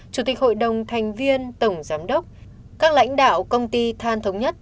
chủ tịch hội đồng thành viên tổng giám đốc các lãnh đạo công ty than thống nhất